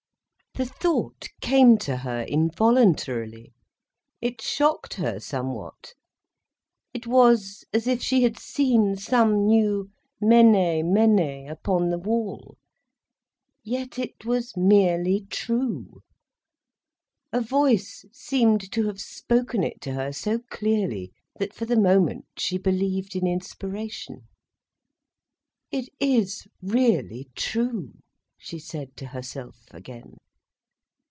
The thought came to her involuntarily. It shocked her somewhat. It was as if she had seen some new Mene! Mene! upon the wall. Yet it was merely true. A voice seemed to have spoken it to her so clearly, that for the moment she believed in inspiration. "It is really true," she said to herself again.